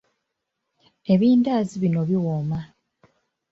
Ebindaazi bino biwooma.